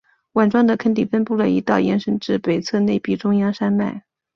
碗状的坑底分布了一道延伸至北侧内壁中央山脉。